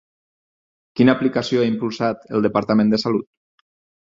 Quina aplicació ha impulsat el Departament de Salut?